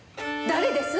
誰です！